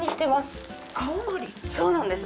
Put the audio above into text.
そうなんです。